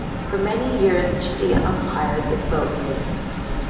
For many years Chitty umpired the Boat Race.